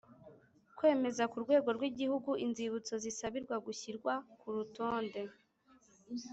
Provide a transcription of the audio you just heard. Kwemeza ku rwego rw igihugu inzibutso zisabirwa gushyirwa ku rutonde